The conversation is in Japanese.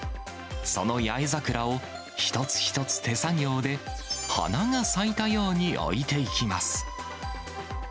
その八重桜を一つ一つ手作業で、花が咲いたように置いていきます。